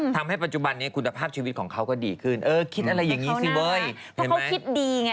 ทำให้ปัจจุบันนี้คุณภาพชีวิตของเขาก็ดีขึ้นเออคิดอะไรอย่างนี้สิเว้ยเพราะเขาคิดดีไง